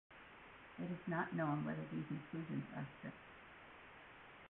It is not known whether these inclusions are strict.